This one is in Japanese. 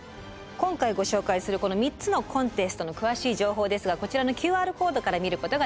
今回ご紹介するこの３つのコンテストの詳しい情報ですがこちらのＱＲコードから見ることができます。